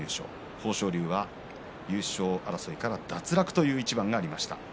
豊昇龍は優勝争いから脱落という一番がありました。